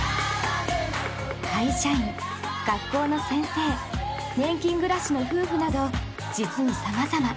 会社員学校の先生年金暮らしの夫婦など実にさまざま。